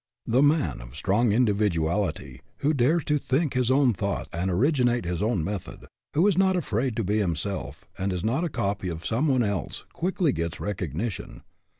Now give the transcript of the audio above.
The man of strong individuality, who dares to think his own thought and originate his own method, who is not afraid to be himself, and is not a copy of someone else, quickly gets recognition.